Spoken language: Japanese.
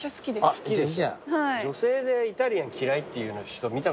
女性でイタリアン嫌いっていう人見たことないね。